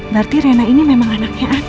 berarti rena ini memang anaknya